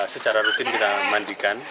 secara rutin kita mandikan